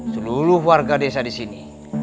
seluruh warga desa disini